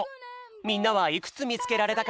みんなはいくつみつけられたかな？